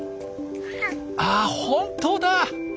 あ本当だ！